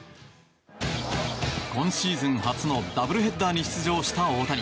今シーズン初のダブルヘッダーに出場した大谷。